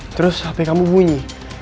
terus hp kamu bunyi